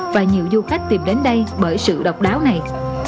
và nhiều du khách tìm đến đây bởi sự độc đáo này